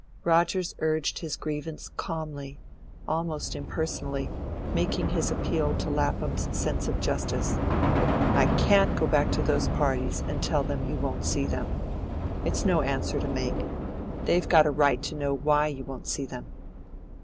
Rogers urged his grievance calmly, almost impersonally, making his appeal to Lapham's sense of justice. "I CAN'T go back to those parties and tell them you won't see them. It's no answer to make. They've got a right to know why you won't see them."